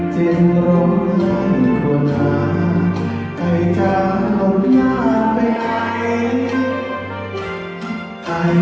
เจ็บหลงในครัวหน้าใครจะต้องงานไปไหน